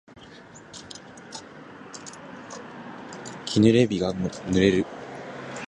木漏れ日が漏れる